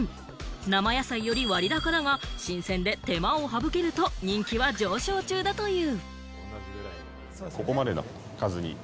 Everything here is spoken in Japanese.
生野菜より割高だが、新鮮で手間を省けると人気は上昇中だという。